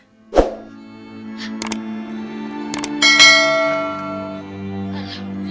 atas mereka cheerings